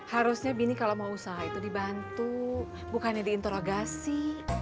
harusnya bini kalau mau usaha itu dibantu bukannya diinterogasi